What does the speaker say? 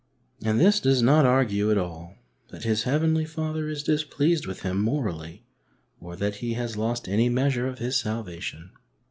And this does not argue at all that his Heavenly Father is displeased with him morally, or that he has lost any measure of his salvation.